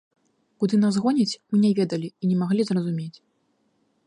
Куды нас гоняць, мы не ведалі і не маглі зразумець.